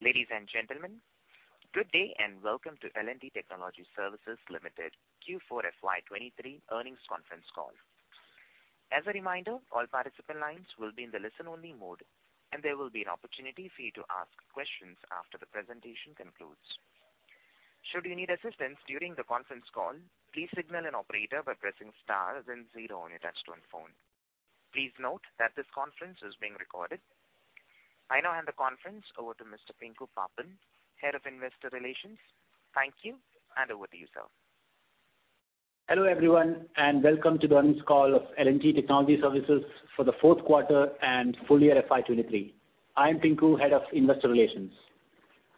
Ladies and gentlemen, good day, and welcome to L&T Technology Services Limited Q4 FY23 earnings conference call. As a reminder, all participant lines will be in the listen-only mode, and there will be an opportunity for you to ask questions after the presentation concludes. Should you need assistance during the conference call, please signal an operator by pressing star then zero on your touchtone phone. Please note that this conference is being recorded. I now hand the conference over to Mr. Pinku Pappan, Head of Investor Relations. Thank you. Over to you, sir. Hello, everyone, and welcome to the earnings call of L&T Technology Services for the fourth quarter and full year FY2023. I am Pinku, Head of Investor Relations.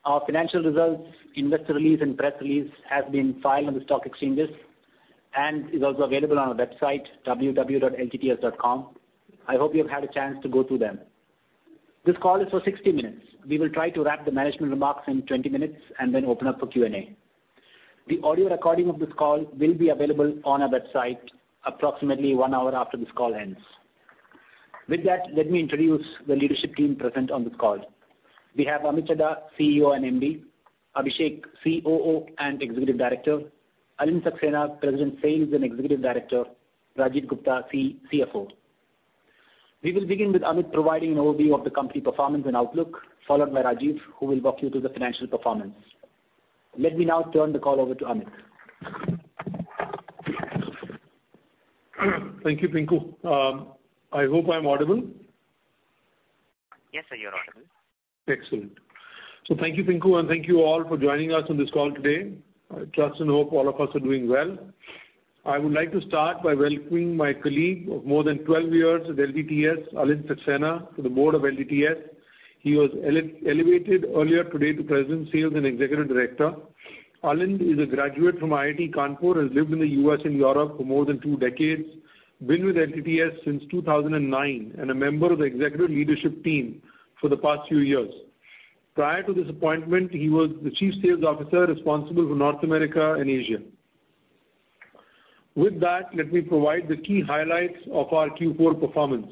Our financial results, investor release, and press release has been filed on the stock exchanges and is also available on our website, www.ltts.com. I hope you have had a chance to go through them. This call is for 60 minutes. We will try to wrap the management remarks in 20 minutes and then open up for Q&A. The audio recording of this call will be available on our website approximately one hour after this call ends. With that, let me introduce the leadership team present on this call. We have Amit Chadha, CEO and MD, Abhishek, COO and Executive Director, Alind Saxena, President Sales and Executive Director, Rajeev Gupta, CFO. We will begin with Amit providing an overview of the company performance and outlook, followed by Rajeev who will walk you through the financial performance. Let me now turn the call over to Amit. Thank you, Pinku. I hope I'm audible. Yes, sir, you're audible. Excellent. Thank you, Pinku, and thank you all for joining us on this call today. I trust and hope all of us are doing well. I would like to start by welcoming my colleague of more than 12 years at LTTS, Alind Saxena, to the board of LTTS. He was elevated earlier today to President Sales and Executive Director. Alind is a graduate from IIT Kanpur, has lived in the U.S. and Europe for more than two decades, been with LTTS since 2009, and a member of the executive leadership team for the past few years. Prior to this appointment, he was the Chief Sales Officer responsible for North America and Asia. With that, let me provide the key highlights of our Q4 performance.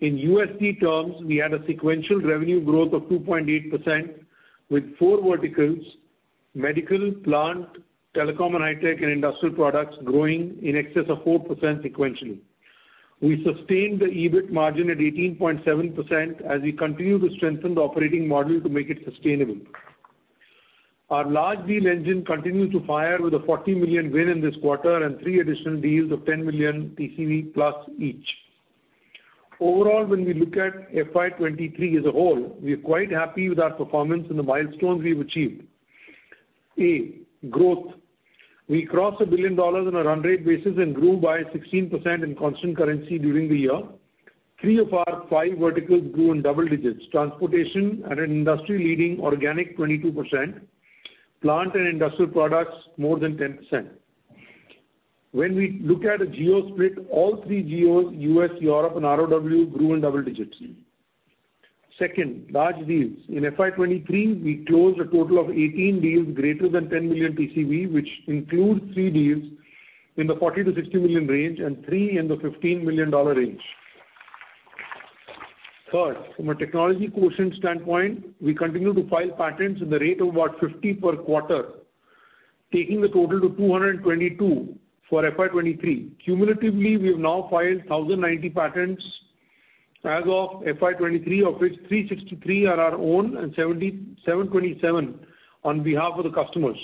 In USD terms, we had a sequential revenue growth of 2.8% with four verticals, Medical, Plant, Telecom & Hi-Tech and Industrial Products growing in excess of 4% sequentially. We sustained the EBIT margin at 18.7% as we continue to strengthen the operating model to make it sustainable. Our large deal engine continued to fire with a $40 million win in this quarter and three additional deals of $10 million TCV+ each. Overall, when we look at FY2023 as a whole, we are quite happy with our performance and the milestones we have achieved. A, growth. We crossed a billion dollars on a run rate basis and grew by 16% in constant currency during the year. Three of our five verticals grew in double digits, Transportation at an industry-leading organic 22%, Plant and Industrial Products more than 10%. When we look at a geo split, all three geos, U.S., Europe and ROW grew in double digits. Second, large deals. In FY2023, we closed a total of 18 deals greater than $10 million TCV, which include three deals in the $40 million-$60 million range and three in the $15 million range. Third, from a technology quotient standpoint, we continue to file patents in the rate of about 50 per quarter, taking the total to 222 for FY2023. Cumulatively, we have now filed 1,090 patents as of FY2023, of which 363 are our own and 727 on behalf of the customers.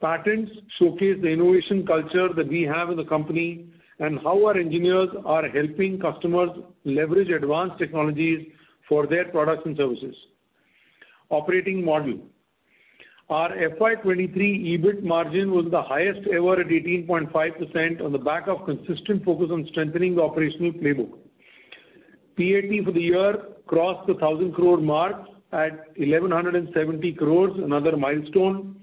Patents showcase the innovation culture that we have in the company and how our engineers are helping customers leverage advanced technologies for their products and services. Operating model. Our FY2023 EBIT margin was the highest ever at 18.5% on the back of consistent focus on strengthening the operational playbook. PAT for the year crossed the 1,000 crore mark at 1,170 crores, another milestone.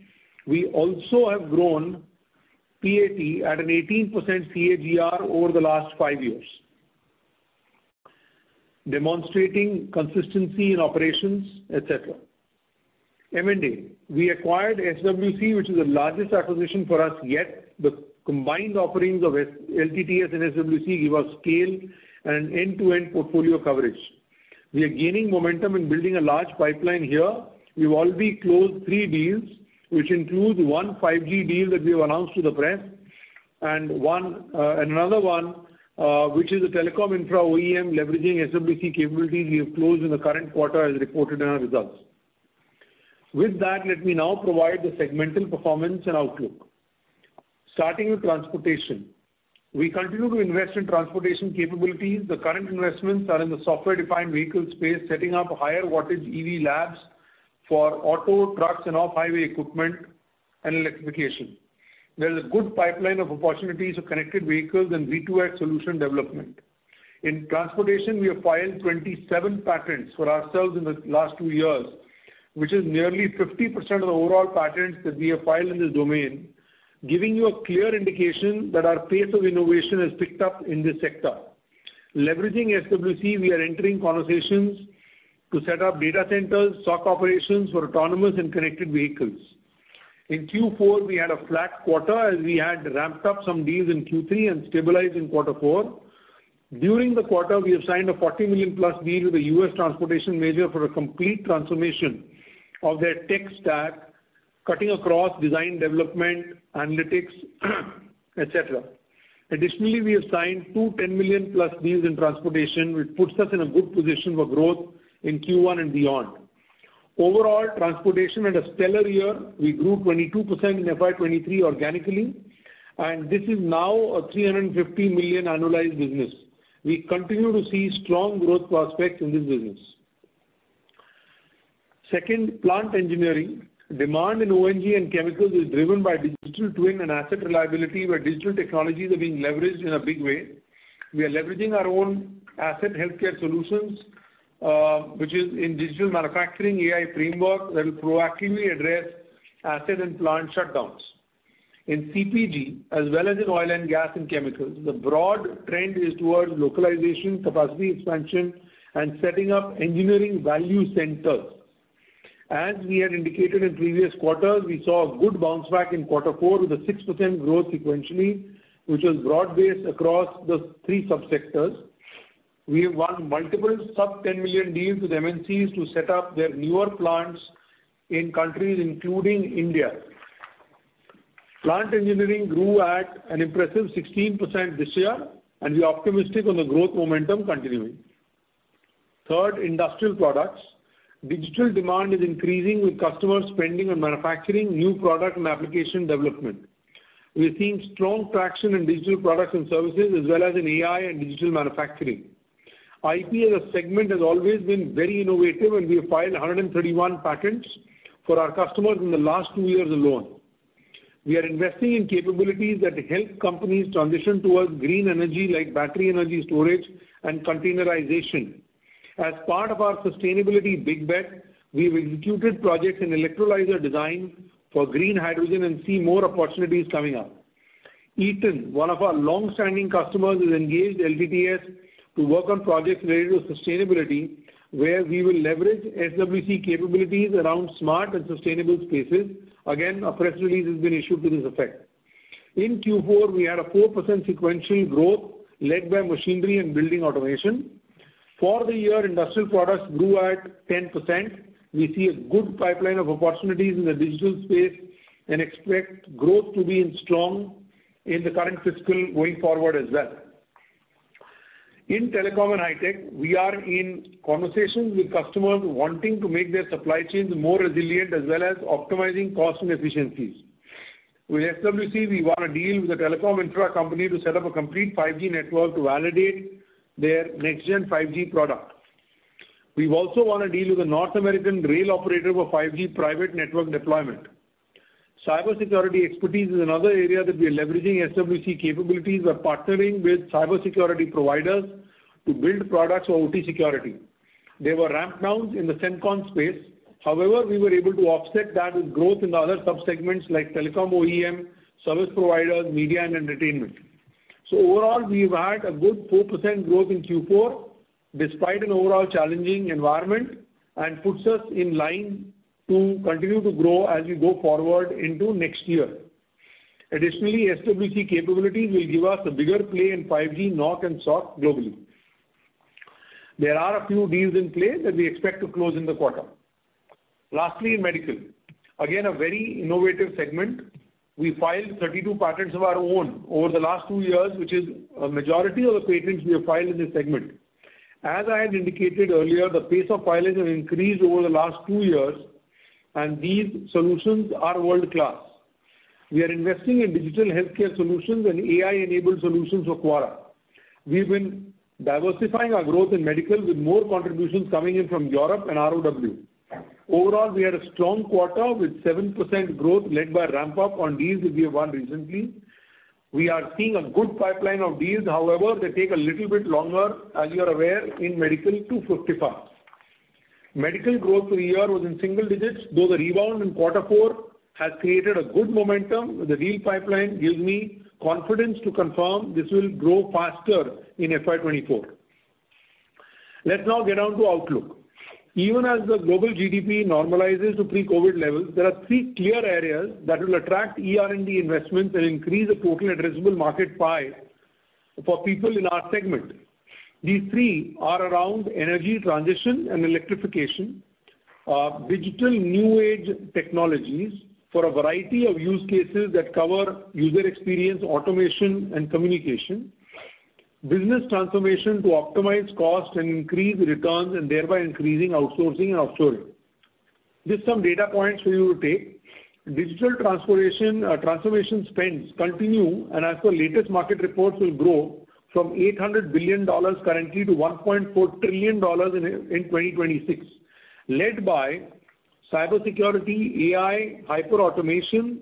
We also have grown PAT at an 18% CAGR over the last five years. Demonstrating consistency in operations, et cetera. M&A. We acquired SWC, which is the largest acquisition for us yet. The combined offerings of LTTS and SWC give us scale and an end-to-end portfolio coverage. We are gaining momentum in building a large pipeline here. We've already closed three deals, which includes one 5G deal that we have announced to the press and another one, which is a telecom infra OEM leveraging SWC capabilities we have closed in the current quarter as reported in our results. With that, let me now provide the segmental performance and outlook. Starting with transportation. We continue to invest in transportation capabilities. The current investments are in the software-defined vehicle space, setting up higher wattage EV labs for auto, trucks and off-highway equipment and electrification. There is a good pipeline of opportunities of connected vehicles and V2X solution development. In transportation, we have filed 27 patents for ourselves in the last two years, which is nearly 50% of the overall patents that we have filed in this domain, giving you a clear indication that our pace of innovation has picked up in this sector. Leveraging SWC, we are entering conversations to set up data centers, SOC operations for autonomous and connected vehicles. In Q4, we had a flat quarter as we had ramped up some deals in Q3 and stabilized in quarter four. During the quarter, we have signed a $40 million+ deal with the U.S. transportation major for a complete transformation of their tech stack, cutting across design, development, analytics etc. Additionally, we have signed $2-million+ deals in transportation, which puts us in a good position for growth in Q1 and beyond. Overall, transportation had a stellar year. We grew 22% in FY 2023 organically, and this is now a $350 million annualized business. We continue to see strong growth prospects in this business. Second, plant engineering. Demand in O&G and chemicals is driven by digital twin and asset reliability, where digital technologies are being leveraged in a big way. We are leveraging our own asset healthcare solutions, which is in digital manufacturing AI framework that will proactively address asset and plant shutdowns. In CPG, as well as in oil and gas and chemicals, the broad trend is towards localization, capacity expansion, and setting up engineering value centers. As we had indicated in previous quarters, we saw a good bounce back in quarter four with a 6% growth sequentially, which was broad-based across the three subsectors. We have won multiple sub-$10 million deals with MNCs to set up their newer plants in countries including India. Plant engineering grew at an impressive 16% this year, and we're optimistic on the growth momentum continuing. Third, industrial products. Digital demand is increasing with customers spending on manufacturing new product and application development. We are seeing strong traction in digital products and services as well as in AI and digital manufacturing. IP as a segment has always been very innovative, and we have filed 131 patents for our customers in the last two years alone. We are investing in capabilities that help companies transition towards green energy like battery energy storage and containerization. As part of our sustainability big bet, we've executed projects in electrolyzer design for green hydrogen and see more opportunities coming up. Eaton, one of our long-standing customers, has engaged LTTS to work on projects related to sustainability, where we will leverage SWC capabilities around smart and sustainable spaces. A press release has been issued to this effect. In Q4, we had a 4% sequential growth led by machinery and building automation. For the year, industrial products grew at 10%. We see a good pipeline of opportunities in the digital space and expect growth to be in strong in the current fiscal going forward as well. In telecom and high-tech, we are in conversations with customers wanting to make their supply chains more resilient as well as optimizing cost and efficiencies. With SWC, we won a deal with a telecom infra company to set up a complete 5G network to validate their next-gen 5G product. We've also won a deal with a North American rail operator for 5G private network deployment. Cybersecurity expertise is another area that we are leveraging SWC capabilities. We're partnering with cybersecurity providers to build products for OT security. There were ramp downs in the Semcon space. However, we were able to offset that with growth in the other subsegments like telecom OEM, service providers, media and entertainment. Overall, we've had a good 4% growth in Q4 despite an overall challenging environment and puts us in line to continue to grow as we go forward into next year. Additionally, SWC capabilities will give us a bigger play in 5G NOC and SOC globally. There are a few deals in play that we expect to close in the quarter. Lastly, in medical. Again, a very innovative segment. We filed 32 patents of our own over the last two years, which is a majority of the patents we have filed in this segment. As I had indicated earlier, the pace of filings have increased over the last two years, and these solutions are world-class. We are investing in digital healthcare solutions and AI-enabled solutions for Quara. We've been diversifying our growth in medical with more contributions coming in from Europe and ROW. Overall, we had a strong quarter with 7% growth led by ramp up on deals that we have won recently. We are seeing a good pipeline of deals. However, they take a little bit longer, as you are aware, in MedTech to fructify. MedTech growth for the year was in single digits, though the rebound in Q4 has created a good momentum with the deal pipeline gives me confidence to confirm this will grow faster in FY2024. Let's now get on to outlook. Even as the global GDP normalizes to pre-COVID levels, there are three clear areas that will attract ER&D investments and increase the total addressable market pie for people in our segment. These three are around energy transition and electrification, digital new age technologies for a variety of use cases that cover user experience, automation, and communication. Business transformation to optimize cost and increase returns and thereby increasing outsourcing and offshoring. Just some data points for you to take. Digital transformation spends continue and as per latest market reports will grow from $800 billion currently to $1.4 trillion in 2026, led by cybersecurity, AI, hyperautomation,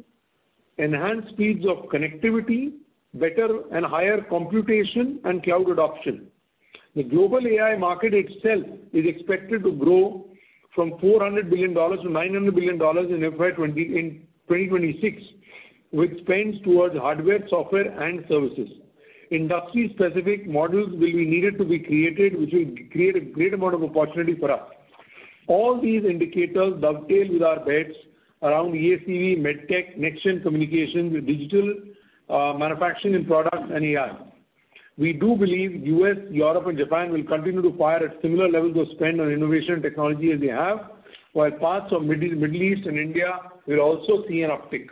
enhanced speeds of connectivity, better and higher computation, and cloud adoption. The global AI market itself is expected to grow from $400 billion to $900 billion in 2026, with spends towards hardware, software, and services. Industry specific models will be needed to be created, which will create a great amount of opportunity for us. All these indicators dovetail with our bets around AECV, MedTech, next-gen communication with digital manufacturing and product and AI. We do believe U.S., Europe and Japan will continue to fire at similar levels of spend on innovation technology as they have, while parts of Mid-Middle East and India will also see an uptick.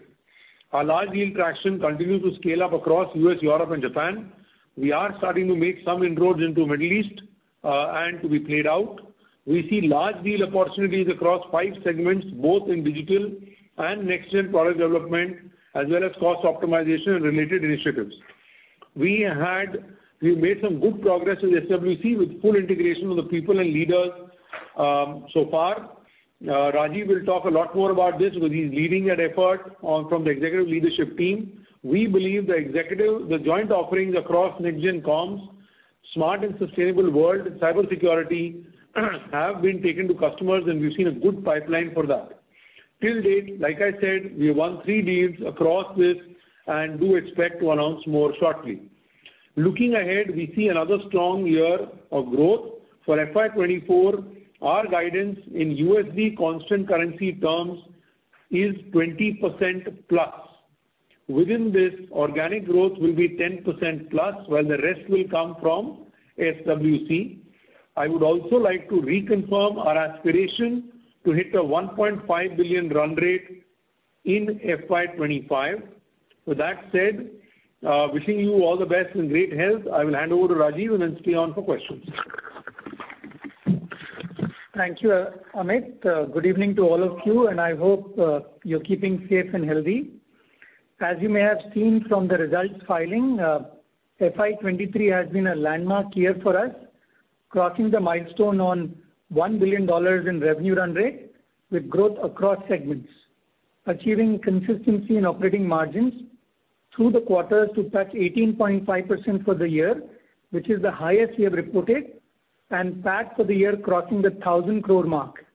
Our large deal traction continues to scale up across U.S., Europe and Japan. We are starting to make some inroads into Middle East and to be played out. We see large deal opportunities across five segments, both in digital and next gen product development, as well as cost optimization and related initiatives. We made some good progress with SWC with full integration of the people and leaders so far. Rajeev will talk a lot more about this because he's leading that effort on from the executive leadership team. We believe the executive, the joint offerings across next gen comms, smart and sustainable world cybersecurity have been taken to customers, and we've seen a good pipeline for that. Till date, like I said, we have won three deals across this and do expect to announce more shortly. Looking ahead, we see another strong year of growth. For FY 2024, our guidance in USD constant currency terms is 20%+. Within this, organic growth will be 10%+, while the rest will come from SWC. I would also like to reconfirm our aspiration to hit a $1.5 billion run rate in FY 2025. With that said, wishing you all the best and great health. I will hand over to Rajeev and then stay on for questions. Thank you, Amit. Good evening to all of you. I hope you're keeping safe and healthy. As you may have seen from the results filing, FY2023 has been a landmark year for us, crossing the milestone on $1 billion in revenue run rate with growth across segments. Achieving consistency in operating margins through the quarters to touch 18.5% for the year, which is the highest we have reported. PAT for the year crossing the 1,000 crore mark.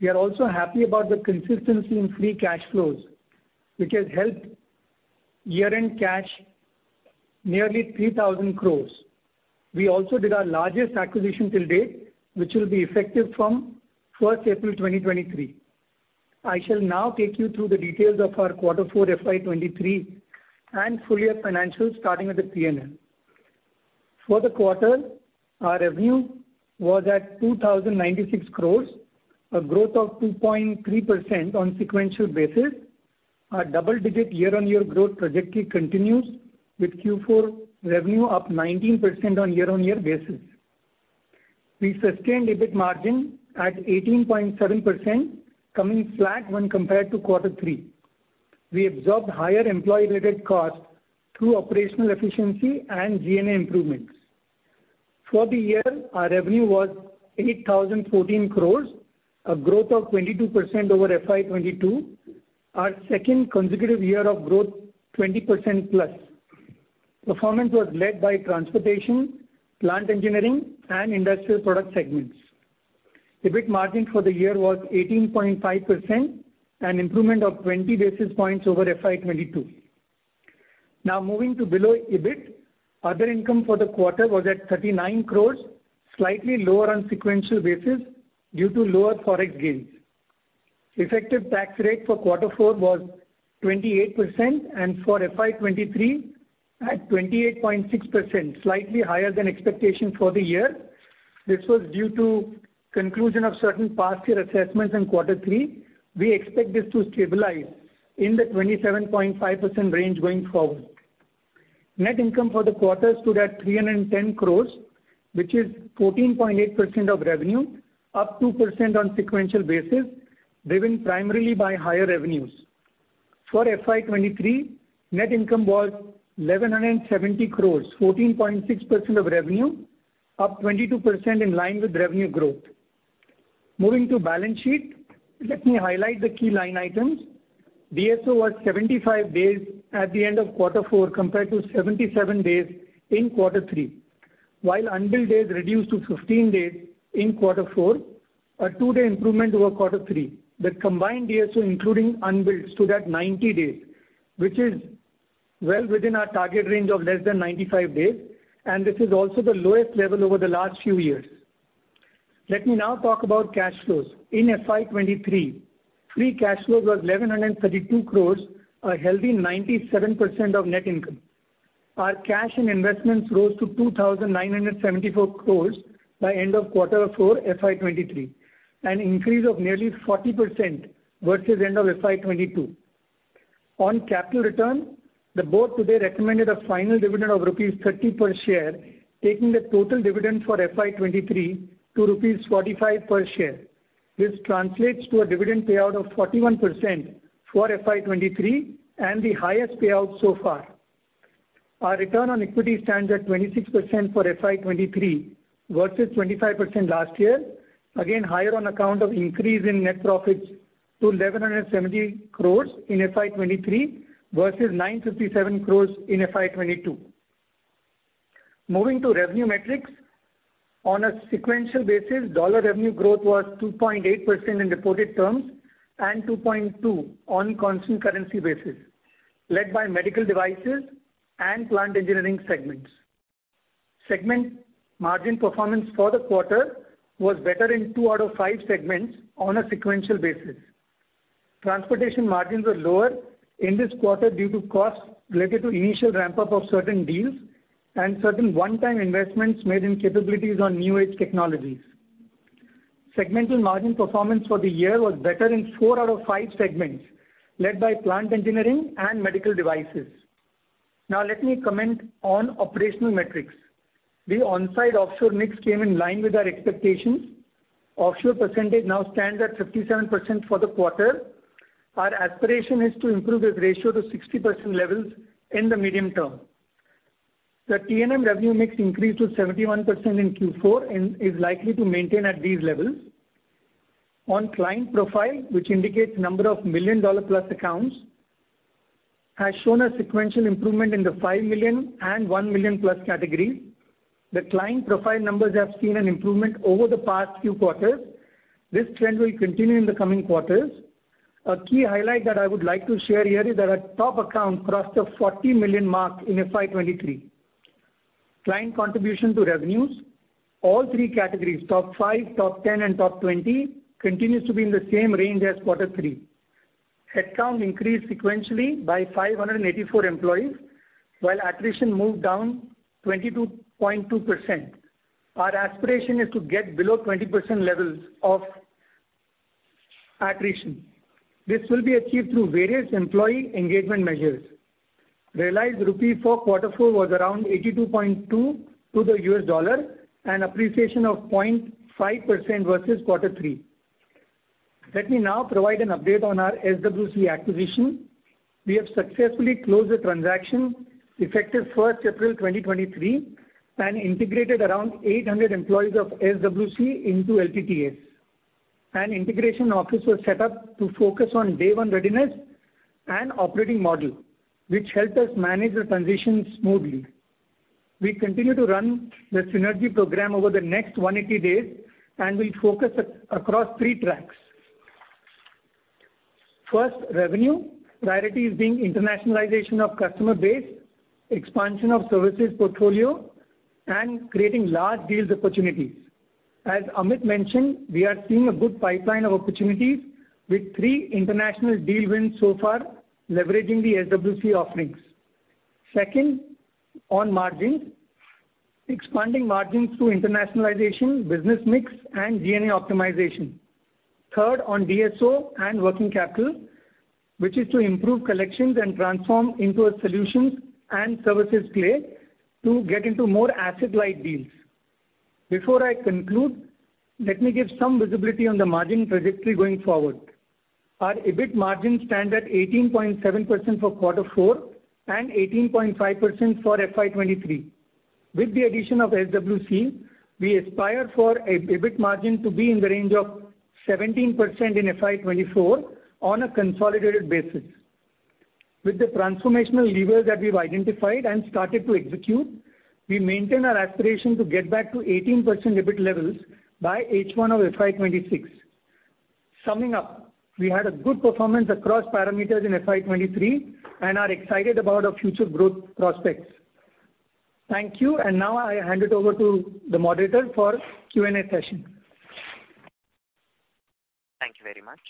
We are also happy about the consistency in free cash flows, which has helped year-end cash nearly 3,000 crores. We also did our largest acquisition till date, which will be effective from 1 April 2023. I shall now take you through the details of our Q4 FY2023 and full year financials starting with the P&L. For the quarter, our revenue was at 2,096 crores, a growth of 2.3% on sequential basis. Our double-digit year-on-year growth trajectory continues with Q4 revenue up 19% on year-on-year basis. We sustained EBIT margin at 18.7%, coming flat when compared to Q3. We absorbed higher employee-related costs through operational efficiency and G&A improvements. For the year, our revenue was 8,014 crores, a growth of 22% over FY2022, our second consecutive year of growth 20%+. Performance was led by transportation, plant engineering and industrial product segments. EBIT margin for the year was 18.5%, an improvement of 20 basis points over FY2022. Moving to below EBIT. Other income for the quarter was at 39 crores, slightly lower on sequential basis due to lower ForEx gains. Effective tax rate for quarter four was 28% and for FY 2023 at 28.6%, slightly higher than expectation for the year. This was due to conclusion of certain past year assessments in quarter three. We expect this to stabilize in the 27.5% range going forward. Net income for the quarter stood at 310 crores, which is 14.8% of revenue, up 2% on sequential basis, driven primarily by higher revenues. For FY 2023, net income was 1,170 crores, 14.6% of revenue, up 22% in line with revenue growth. Moving to balance sheet. Let me highlight the key line items. DSO was 75 days at the end of quarter four compared to 77 days in quarter three. Unbilled days reduced to 15 days in Q4, a two-day improvement over Q3. The combined DSO, including unbilled, stood at 90 days, which is well within our target range of less than 95 days. This is also the lowest level over the last few years. Let me now talk about cash flows. In FY2023, free cash flow was 1,132 crores, a healthy 97% of net income. Our cash and investments rose to 2,974 crores by end of Q4 FY23, an increase of nearly 40% versus end of FY2022. On capital return, the board today recommended a final dividend of rupees 30 per share, taking the total dividend for FY2023 to rupees 45 per share. This translates to a dividend payout of 41% for FY2023 and the highest payout so far. Our return on equity stands at 26% for FY2023 versus 25% last year. Again, higher on account of increase in net profits to 1,170 crores in FY2023 versus 957 crores in FY2022. Moving to revenue metrics. On a sequential basis, dollar revenue growth was 2.8% in reported terms and 2.2% on constant currency basis, led by medical devices and plant engineering segments. Segment margin performance for the quarter was better in two out of five segments on a sequential basis. Transportation margins were lower in this quarter due to costs related to initial ramp-up of certain deals and certain one-time investments made in capabilities on new age technologies. Segmental margin performance for the year was better in four out of five segments, led by plant engineering and medical devices. Now let me comment on operational metrics. The onsite offshore mix came in line with our expectations. Offshore percentage now stands at 57% for the quarter. Our aspiration is to improve this ratio to 60% levels in the medium term. The T&M revenue mix increased to 71% in Q4 and is likely to maintain at these levels. On client profile, which indicates number of million-dollar-plus accounts, has shown a sequential improvement in the $5 million and $1 million-plus categories. The client profile numbers have seen an improvement over the past few quarters. This trend will continue in the coming quarters. A key highlight that I would like to share here is that our top account crossed the $40 million mark in FY2023. Client contribution to revenues, all three categories, top five, top 10, and top 20, continues to be in the same range as quarter three. Headcount increased sequentially by 584 employees, while attrition moved down 22.2%. Our aspiration is to get below 20% levels of attrition. This will be achieved through various employee engagement measures. Realized rupee for quarter four was around 82.2 to the US dollar, an appreciation of 0.5% versus quarter three. Let me now provide an update on our SWC acquisition. We have successfully closed the transaction, effective April 1, 2023, and integrated around 800 employees of SWC into LTTS. An integration office was set up to focus on day one readiness and operating model, which helped us manage the transition smoothly. We continue to run the synergy program over the next 180 days and will focus across three tracks. First, revenue. Priority is being internationalization of customer base, expansion of services portfolio, and creating large deals opportunities. As Amit mentioned, we are seeing a good pipeline of opportunities with three international deal wins so far leveraging the SWC offerings. Second, on margins. Expanding margins through internationalization, business mix, and G&A optimization. Third, on DSO and working capital, which is to improve collections and transform into a solutions and services play to get into more asset-light deals. Before I conclude, let me give some visibility on the margin trajectory going forward. Our EBIT margin stand at 18.7% for Q4 and 18.5% for FY2023. With the addition of SWC, we aspire for a EBIT margin to be in the range of 17% in FY 2024 on a consolidated basis. With the transformational levers that we've identified and started to execute, we maintain our aspiration to get back to 18% EBIT levels by H1 of FY 2026. Summing up, we had a good performance across parameters in FY 2023 and are excited about our future growth prospects. Thank you. Now I hand it over to the moderator for Q&A session. Thank you very much.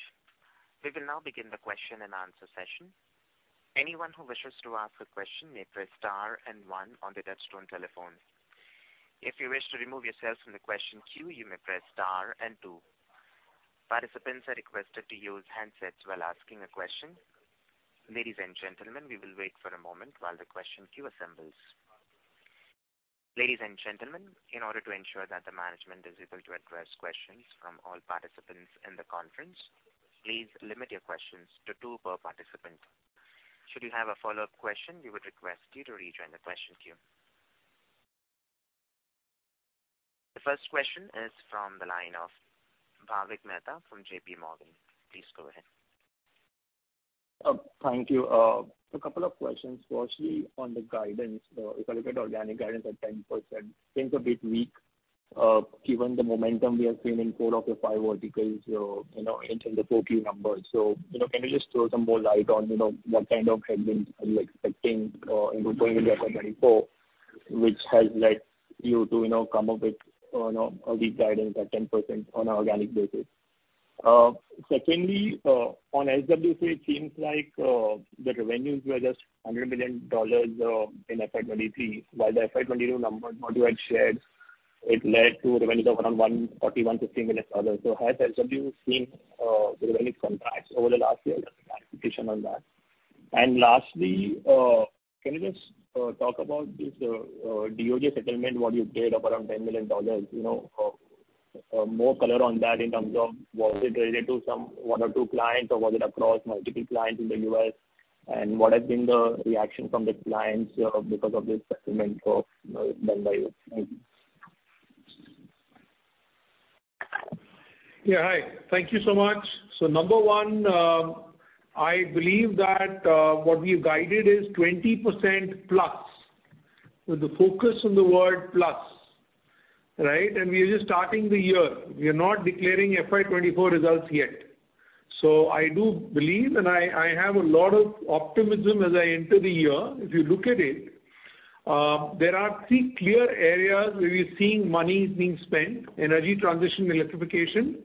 We will now begin the question and answer session. Anyone who wishes to ask a question may press star and on on their touch-tone telephone. If you wish to remove yourself from the question queue, you may press star and two. Participants are requested to use handsets while asking a question. Ladies and gentlemen, we will wait for a moment while the question queue assembles. Ladies and gentlemen, in order to ensure that the management is able to address questions from all participants in the conference, please limit your questions to two per participant. Should you have a follow-up question, we would request you to rejoin the question queue. The first question is from the line of Bhavik Mehta from J.P. Morgan. Please go ahead. Thank you. A couple of questions. Firstly, on the guidance, if I look at organic guidance at 10%, seems a bit weak, given the momentum we have seen in four of your five verticals, you know, into the full year numbers. You know, can you just throw some more light on, you know, what kind of headwinds are you expecting, in going into FY 2024, which has led you to, you know, come up with, you know, a weak guidance at 10% on an organic basis? Secondly, on SWC, it seems like, the revenues were just $100 million, in FY 2023. While the FY 2022 numbers what you had shared, it led to revenues of around $140 million-$150 million. Has SWC seen, revenue contracts over the last year? Just some clarification on that. Lastly, can you just talk about this DOJ settlement, what you paid of around $10 million. You know, more color on that in terms of was it related to some one or two clients or was it across multiple clients in the U.S.? What has been the reaction from the clients, because of this settlement, you know, done by you? Yeah, hi. Thank you so much. Number one, I believe that what we've guided is 20% plus, with the focus on the word plus, right? We are just starting the year. We are not declaring FY 2024 results yet. I do believe, and I have a lot of optimism as I enter the year. If you look at it, there are three clear areas where we're seeing money being spent: energy transition and electrification,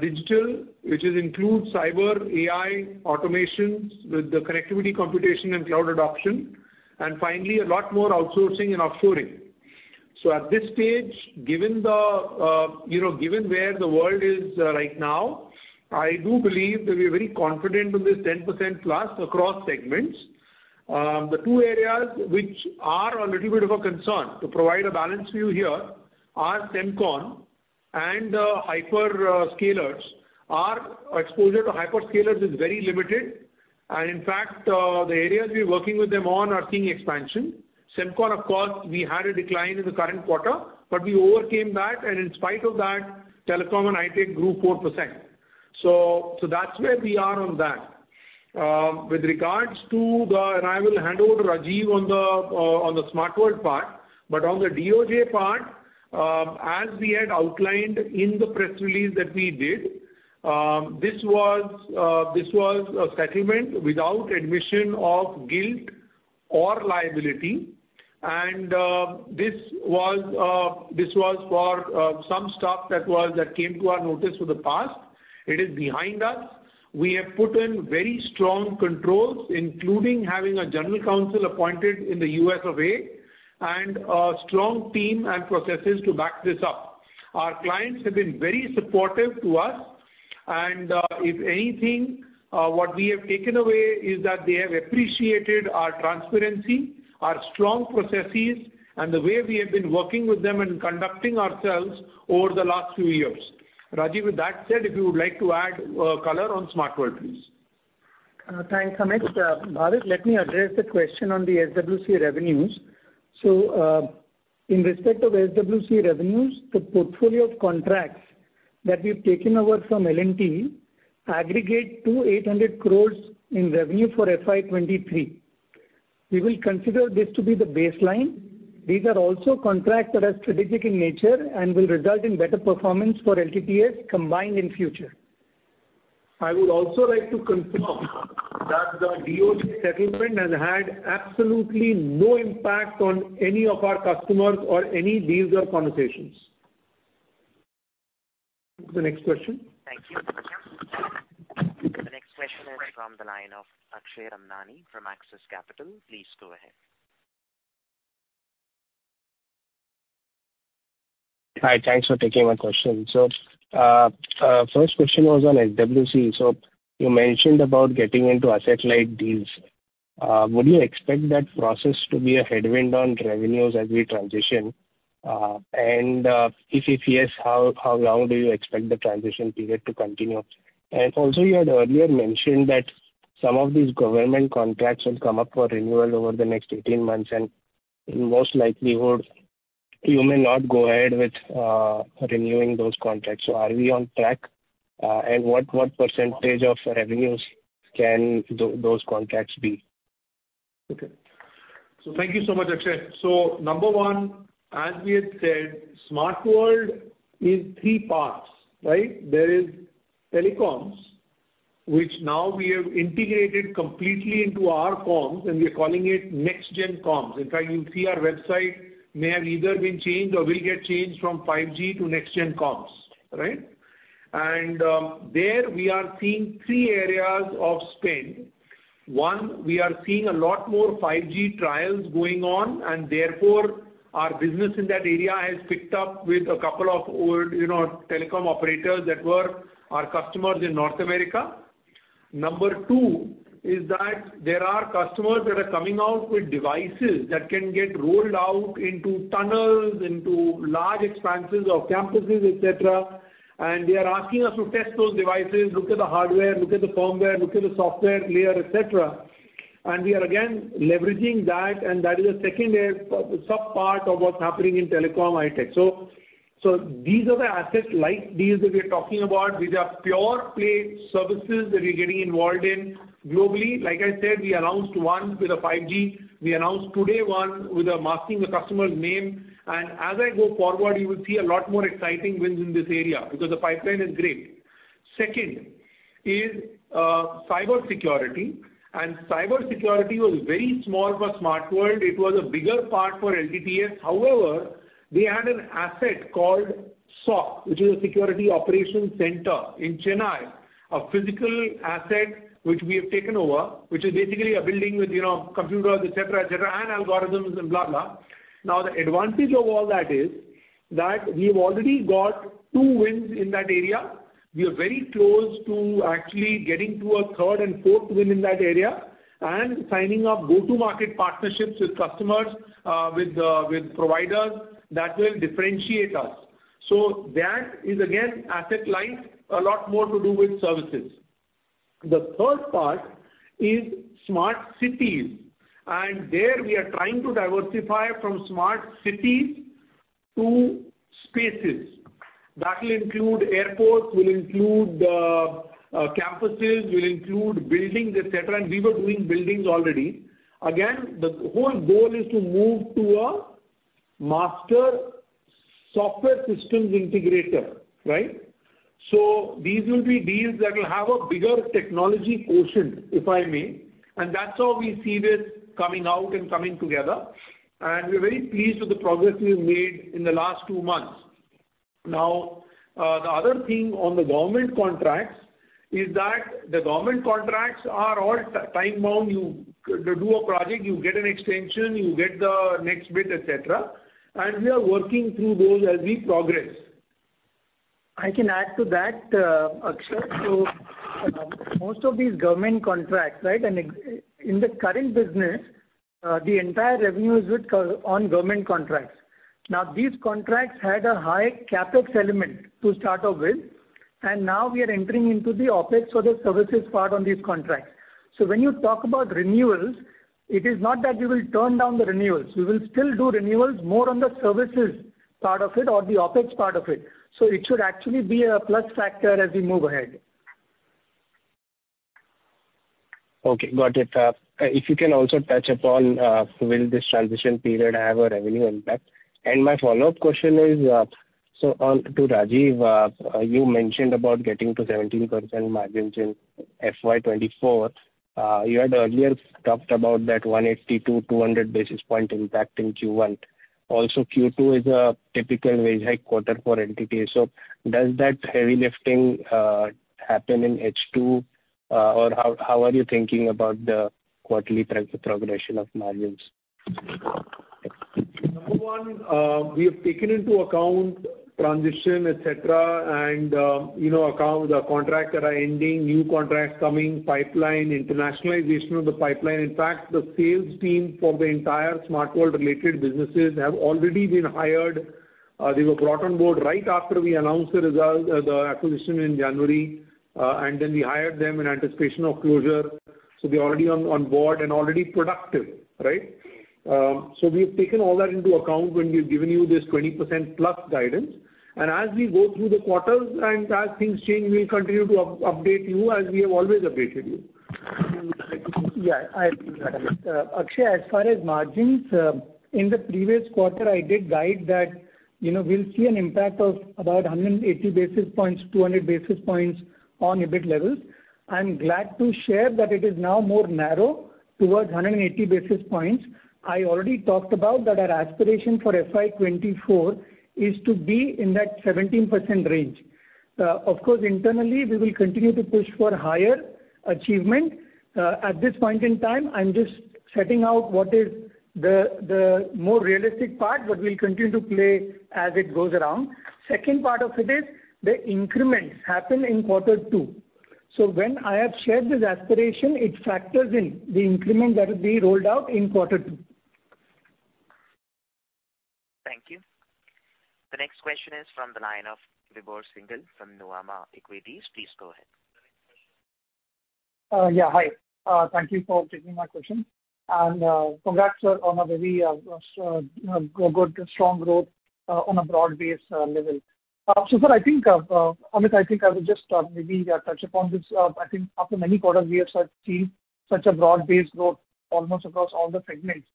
digital, which is includes cyber, AI, automations, with the connectivity, computation, and cloud adoption, and finally, a lot more outsourcing and offshoring. At this stage, given the, you know, given where the world is right now, I do believe that we're very confident of this 10% plus across segments. The two areas which are a little bit of a concern, to provide a balanced view here, are SemCon and the hyperscalers. Our exposure to hyperscalers is very limited. In fact, the areas we're working with them on are seeing expansion. SemCon, of course, we had a decline in the current quarter, but we overcame that, and in spite of that, telecom and Hi-Tech grew 4%. That's where we are on that. I will hand over to Rajeev on the Smart World part. On the DoJ part, as we had outlined in the press release that we did, this was a settlement without admission of guilt or liability. This was for some stuff that came to our notice from the past. It is behind us. We have put in very strong controls, including having a general counsel appointed in the US of A, and a strong team and processes to back this up. Our clients have been very supportive to us, and, if anything, what we have taken away is that they have appreciated our transparency, our strong processes, and the way we have been working with them and conducting ourselves over the last few years. Rajeev, with that said, if you would like to add color on Smart World, please. Thanks, Amit. Bhavik, let me address the question on the SWC revenues. In respect of SWC revenues, the portfolio of contracts that we've taken over from L&T aggregate to 800 crores in revenue for FY 2023. We will consider this to be the baseline. These are also contracts that are strategic in nature and will result in better performance for LTTS combined in future. I would also like to confirm that the DOJ settlement has had absolutely no impact on any of our customers or any deals or conversations. The next question. Thank you. The next question is from the line of Akshay Ramnani from Axis Capital. Please go ahead. Hi. Thanks for taking my question. First question was on SWC. You mentioned about getting into asset-light deals. Would you expect that process to be a headwind on revenues as we transition? And if yes, how long do you expect the transition period to continue? Also, you had earlier mentioned that some of these government contracts will come up for renewal over the next 18 months, and in most likelihood, you may not go ahead with renewing those contracts. Are we on track? And what percentage of revenues can those contracts be? Okay. Thank you so much, Akshay. Number one, as we had said, Smart World is three parts, right? There are telecoms, which now we have integrated completely into our comms, and we are calling it next gen comms. In fact, you'll see our website may have either been changed or will get changed from 5G to next gen comms, right? There we are seeing three areas of spend. One, we are seeing a lot more 5G trials going on and therefore our business in that area has picked up with a couple of old, you know, telecom operators that were our customers in North America. Number two is that there are customers that are coming out with devices that can get rolled out into tunnels, into large expanses of campuses, et cetera. They are asking us to test those devices, look at the hardware, look at the firmware, look at the software layer, et cetera. We are again leveraging that, and that is a second subpart of what's happening in telecom Hi-Tech. These are the assets, like deals that we're talking about. These are pure play services that we're getting involved in globally. Like I said, we announced one with a 5G. We announced today one, masking the customer's name. As I go forward, you will see a lot more exciting wins in this area because the pipeline is great. Second is cybersecurity, and cybersecurity was very small for Smart World. It was a bigger part for LTTS. However, we had an asset called SOC, which is a security operations center in Chennai, a physical asset which we have taken over, which is basically a building with, you know, computers, et cetera, et cetera, and algorithms and blah. Now, the advantage of all that is that we've already got two wins in that area. We are very close to actually getting to a third and fourth win in that area and signing up go-to-market partnerships with customers, with providers that will differentiate us. That is again asset-light, a lot more to do with services. The third part is smart cities. There we are trying to diversify from smart cities to spaces. That will include airports, will include campuses, will include buildings, et cetera, and we were doing buildings already. The whole goal is to move to a master software systems integrator, right? These will be deals that will have a bigger technology quotient, if I may, and that's how we see this coming out and coming together. We're very pleased with the progress we've made in the last two months. Now, the other thing on the government contracts is that the government contracts are all time bound. You do a project, you get an extension, you get the next bit, et cetera. We are working through those as we progress. I can add to that, Akshay. Most of these government contracts, right, and in the current business, the entire revenue is on government contracts. These contracts had a high CapEx element to start off with, and now we are entering into the OpEx or the services part on these contracts. When you talk about renewals, it is not that we will turn down the renewals. We will still do renewals more on the services part of it or the OpEx part of it, so it should actually be a plus factor as we move ahead. Okay, got it. If you can also touch upon, will this transition period have a revenue impact? My follow-up question is, on to Rajeev, you mentioned about getting to 17% margins in FY 2024. You had earlier talked about that 180-200 basis point impact in Q1. Also, Q2 is a typical wage hike quarter for LTTS. Does that heavy lifting happen in H2? How, how are you thinking about the quarterly trend, progression of margins? Number one, we have taken into account transition, et cetera, and, you know, account the contracts that are ending, new contracts coming, pipeline, internationalization of the pipeline. In fact, the sales team for the entire Smart World related businesses have already been hired. They were brought on board right after we announced the result, the acquisition in January, and then we hired them in anticipation of closure. They're already on board and already productive, right? We have taken all that into account when we've given you this 20% plus guidance. As we go through the quarters and as things change, we'll continue to update you as we have always updated you. I agree with that. Akshay, as far as margins, in the previous quarter, I did guide that, you know, we'll see an impact of about 180 basis points, 200 basis points on EBIT levels. I'm glad to share that it is now more narrow towards 180 basis points. I already talked about that our aspiration for FY 2024 is to be in that 17% range. Of course, internally, we will continue to push for higher achievement. At this point in time, I'm just setting out what is the more realistic part, but we'll continue to play as it goes around. Second part of it is the increments happen in quarter two. When I have shared this aspiration, it factors in the increment that will be rolled out in quarter two. Thank you. The next question is from the line of Vibhor Singhal from Nuvama Equities. Please go ahead. Yeah, hi. Thank you for taking my question. Congrats, sir, on a very, you know, good strong growth on a broad-based level. So far I think, Amit, I think I would just maybe touch upon this. I think after many quarters we have seen such a broad-based growth almost across all the segments.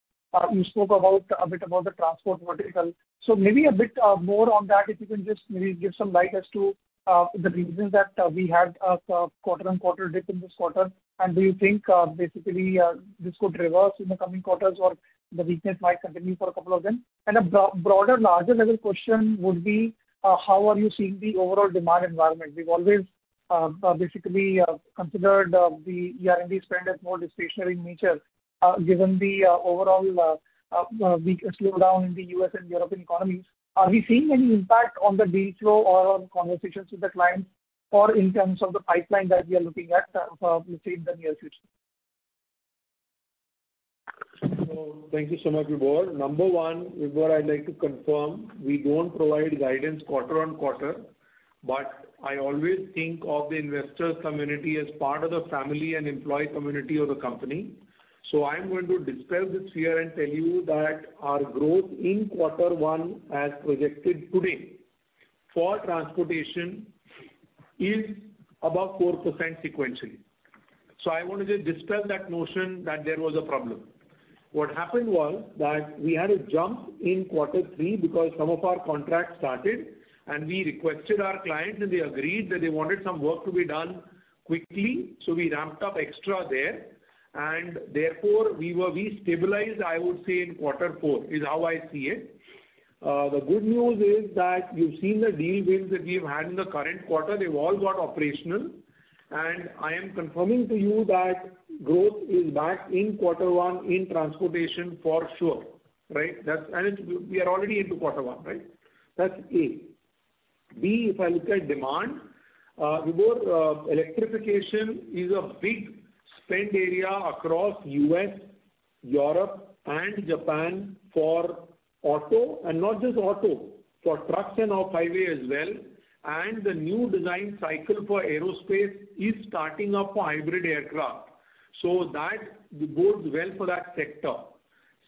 You spoke about, a bit about the transport vertical. Maybe a bit more on that, if you can just maybe give some light as to the reasons that we had a quarter-on-quarter dip in this quarter. Do you think, basically, this could reverse in the coming quarters or the weakness might continue for a couple of them? A broader, larger level question would be, how are you seeing the overall demand environment? We've always basically considered the ER&D spend as more discretionary in nature, given the overall slowdown in the U.S. and European economies. Are we seeing any impact on the deal flow or on conversations with the clients or in terms of the pipeline that we are looking at within the near future? Thank you so much, Vibhor. Number one, Vibhor, I'd like to confirm we don't provide guidance quarter on quarter, but I always think of the investor community as part of the family and employee community of the company. I'm going to dispel this fear and tell you that our growth in quarter one, as projected today, for transportation is above 4% sequentially. I want to just dispel that notion that there was a problem. What happened was that we had a jump in quarter three because some of our contracts started, and we requested our clients, and they agreed that they wanted some work to be done quickly. We ramped up extra there, and therefore, we stabilized, I would say, in quarter four, is how I see it. The good news is that you've seen the deal wins that we've had in the current quarter, they've all got operational. I am confirming to you that growth is back in quarter one in transportation for sure, right? That's. We are already into quarter one, right? That's A. B, if I look at demand, Vibhor, electrification is a big spend area across U.S., Europe and Japan for auto, and not just auto, for trucks and off-highway as well. The new design cycle for aerospace is starting up for hybrid aircraft, so that bodes well for that sector.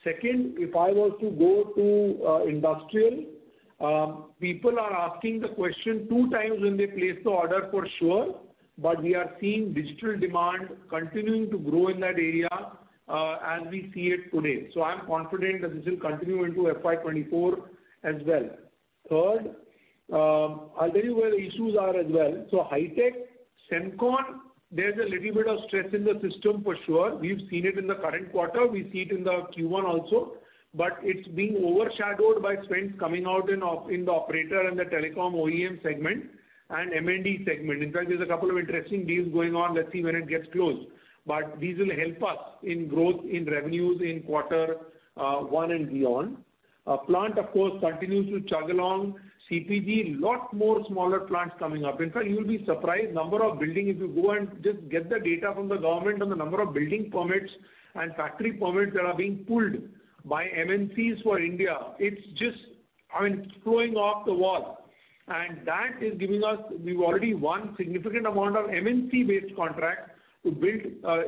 Second, if I was to go to industrial, people are asking the question two times when they place the order for sure, but we are seeing digital demand continuing to grow in that area, as we see it today. I'm confident that this will continue into FY 2024 as well. Third, I'll tell you where the issues are as well. High-tech, Semcon, there's a little bit of stress in the system for sure. We've seen it in the current quarter. We see it in the Q1 also. It's being overshadowed by spends coming out in the operator and the telecom OEM segment and M&D segment. In fact, there's a couple of interesting deals going on. Let's see when it gets closed. These will help us in growth in revenues in quarter one and beyond. Our plant, of course, continues to chug along. CPG, lot more smaller plants coming up. In fact, you will be surprised number of building if you go and just get the data from the government on the number of building permits and factory permits that are being pulled by MNCs for India. It's just, I mean, it's going off the wall. We've already won significant amount of MNC-based contracts to build,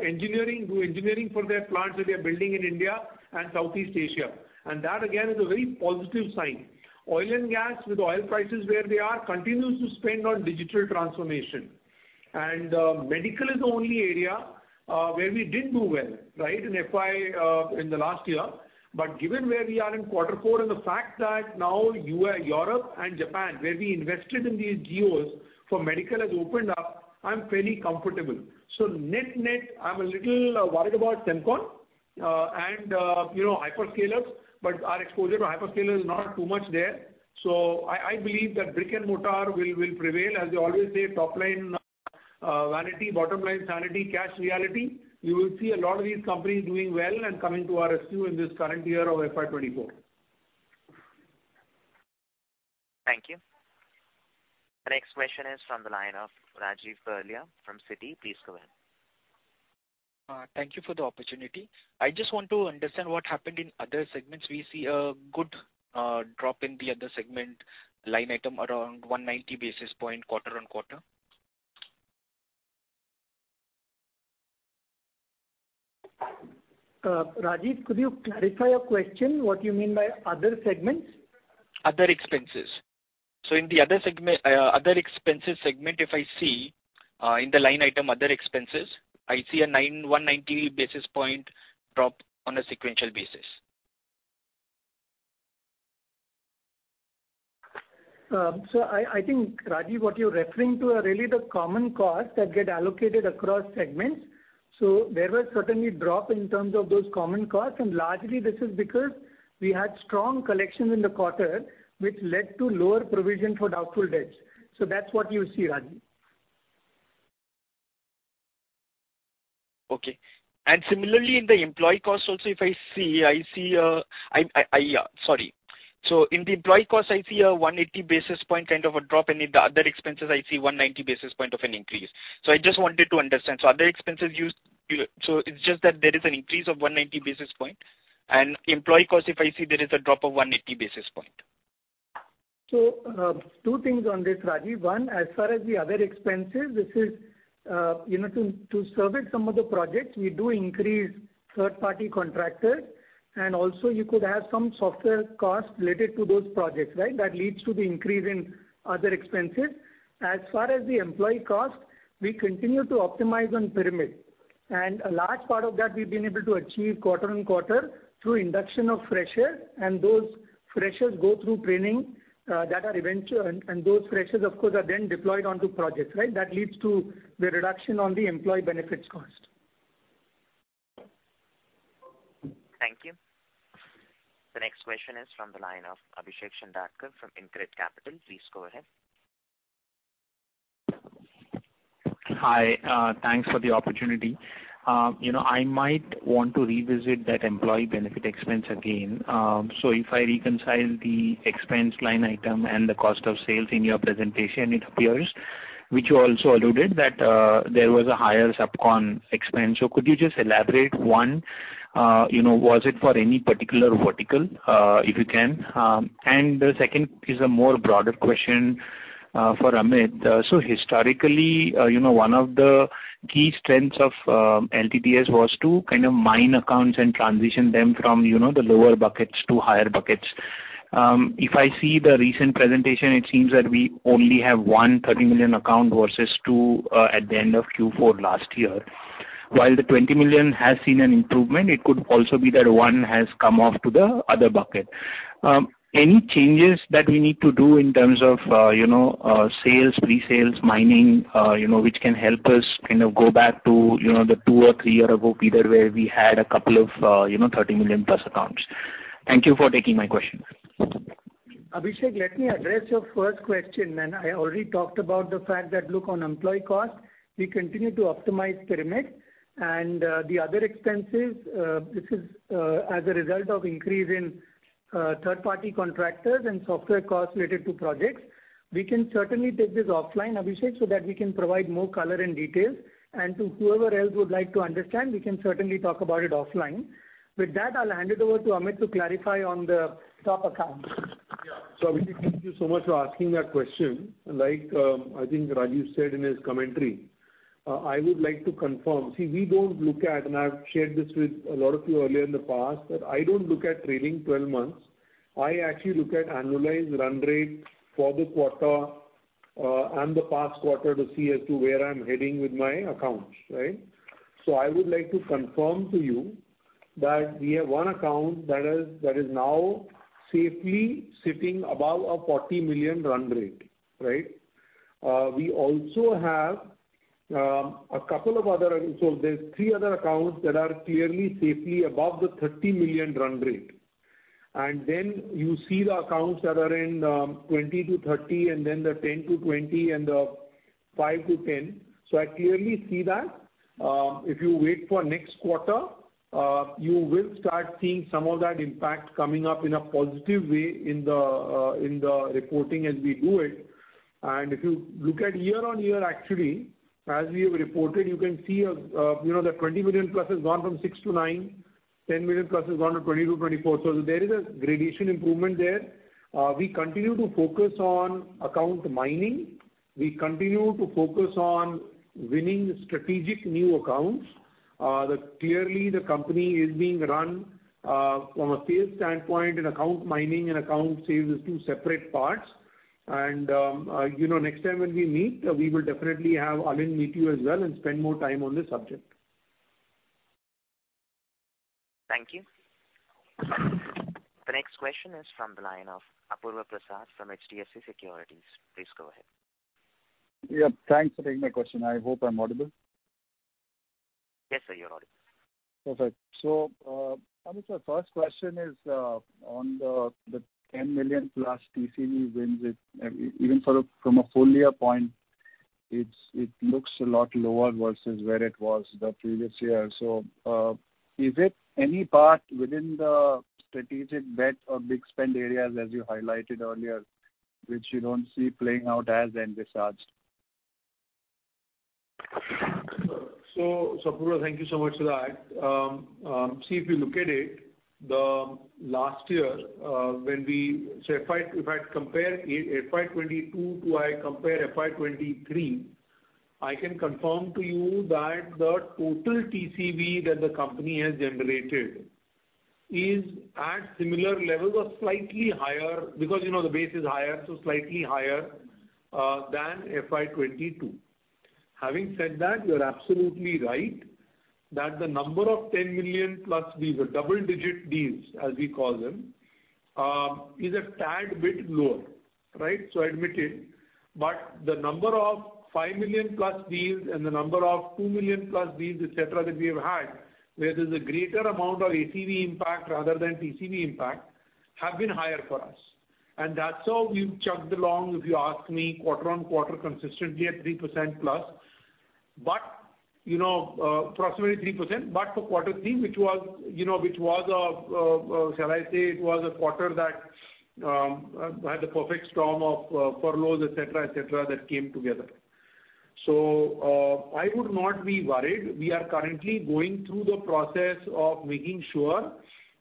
engineering, do engineering for their plants that they are building in India and Southeast Asia. That, again, is a very positive sign. Oil and gas, with oil prices where they are, continues to spend on digital transformation. Medical is the only area where we didn't do well, right, in FY in the last year. Given where we are in quarter four and the fact that now Europe and Japan, where we invested in these geos for medical has opened up, I'm fairly comfortable. Net-net, I'm a little worried about Semcon and, you know, hyperscalers, but our exposure to hyperscaler is not too much there. I believe that brick-and-mortar will prevail. As we always say, top line vanity, bottom line sanity, cash reality. You will see a lot of these companies doing well and coming to our rescue in this current year of FY 2024. Thank you. The next question is from the line of Rajiv Berlia from Citi. Please go ahead. Thank you for the opportunity. I just want to understand what happened in other segments. We see a good drop in the other segment line item around 190 basis points quarter-on-quarter. Rajiv, could you clarify your question, what you mean by other segments? Other expenses. In the other expenses segment, if I see, in the line item other expenses, I see a 90 basis point drop on a sequential basis. I think, Rajiv, what you're referring to are really the common costs that get allocated across segments. There was certainly drop in terms of those common costs, and largely this is because we had strong collections in the quarter, which led to lower provision for doubtful debts. That's what you see, Rajiv. Okay. Similarly, in the employee costs also, if I see, sorry. In the employee costs, I see a 180 basis point kind of a drop, in the other expenses I see 190 basis point of an increase. I just wanted to understand. Other expenses you know... it's just that there is an increase of 190 basis point, employee costs, if I see, there is a drop of 180 basis point. Two things on this, Rajiv. One, as far as the other expenses, this is, you know, to service some of the projects, we do increase third-party contractors, and also you could have some software costs related to those projects, right? That leads to the increase in other expenses. As far as the employee costs, we continue to optimize on pyramid. A large part of that we've been able to achieve quarter-on-quarter through induction of freshers, and those freshers go through training, those freshers, of course, are then deployed onto projects, right? That leads to the reduction on the employee benefits cost. Thank you. The next question is from the line of Abhishek Shindadkar from InCred Capital. Please go ahead. Hi. Thanks for the opportunity. you know, I might want to revisit that employee benefit expense again. If I reconcile the expense line item and the cost of sales in your presentation, it appears, which you also alluded, that there was a higher subcon expense. Could you just elaborate, one, you know, was it for any particular vertical, if you can? The second is a more broader question, for Amit. Historically, you know, one of the key strengths of LTTS was to kind of mine accounts and transition them from, you know, the lower buckets to higher buckets. If I see the recent presentation, it seems that we only have one $30 million account versus two, at the end of Q4 last year. While the $20 million has seen an improvement, it could also be that one has come off to the other bucket. Any changes that we need to do in terms of, you know, sales, pre-sales, mining, you know, which can help us kind of go back to, you know, the two or three year ago period where we had a couple of, you know, $30 million plus accounts? Thank you for taking my question. Abhishek, let me address your first question. I already talked about the fact that, look, on employee costs, we continue to optimize pyramid. The other expenses, this is as a result of increase in. Third party contractors and software costs related to projects. We can certainly take this offline, Abhishek, so that we can provide more color and detail. To whoever else would like to understand, we can certainly talk about it offline. With that, I'll hand it over to Amit to clarify on the top account. Abhishek, thank you so much for asking that question. I think Rajeev said in his commentary, I would like to confirm. See, we don't look at, and I've shared this with a lot of you earlier in the past, that I don't look at trailing 12 months. I actually look at annualized run rate for the quarter, and the past quarter to see as to where I'm heading with my accounts, right? I would like to confirm to you that we have one account that is now safely sitting above a $40 million run rate, right? We also have there's three other accounts that are clearly safely above the $30 million run rate. You see the accounts that are in $20 million-$30 million, and then the $10 million-$20 million, and the $5 million-$10 million. I clearly see that. If you wait for next quarter, you will start seeing some of that impact coming up in a positive way in the reporting as we do it. If you look at year-on-year actually, as we have reported, you can see, you know, the $20 million+ has gone from $6 to $9, $10 million+ has gone from 2020 to 2024. There is a gradation improvement there. We continue to focus on account mining. We continue to focus on winning strategic new accounts. That clearly the company is being run from a sales standpoint and account mining and account sales is two separate parts. You know, next time when we meet, we will definitely have Alind meet you as well and spend more time on this subject. Thank you. The next question is from the line of Apurva Prasad from HDFC Securities. Please go ahead. Thanks for taking my question. I hope I'm audible. Yes, sir, you're audible. Perfect. Amit, my first question is on the $10 million plus TCV wins with even from a full year point, it looks a lot lower versus where it was the previous year. Is it any part within the strategic bet or big spend areas as you highlighted earlier, which you don't see playing out as envisaged? Apurva, thank you so much for that. See, if you look at it, the last year, when we. If I compare FY 2022 to I compare FY 2023, I can confirm to you that the total TCV that the company has generated is at similar levels or slightly higher, because, you know, the base is higher, so slightly higher, than FY 2022. Having said that, you're absolutely right that the number of 10 million-plus deals, double-digit deals as we call them, is a tad bit lower, right? I admit it. The number of five million-plus deals and the number of two million-plus deals, et cetera, that we have had, where there's a greater amount of ACV impact rather than TCV impact, have been higher for us. That's how we've chugged along, if you ask me, quarter on quarter consistently at 3%+. You know, approximately 3%, but for Q3, which was, you know, shall I say, it was a quarter that had the perfect storm of furloughs, et cetera, et cetera, that came together. I would not be worried. We are currently going through the process of making sure